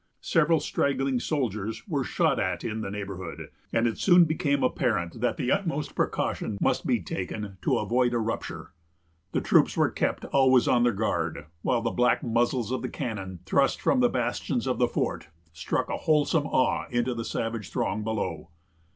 Several straggling soldiers were shot at in the neighborhood, and it soon became apparent that the utmost precaution must be taken to avert a rupture. The troops were kept always on their guard; while the black muzzles of the cannon, thrust from the bastions of the fort, struck a wholesome awe into the savage throng below.